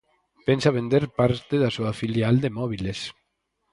Pensa vender parte da súa filial de móbiles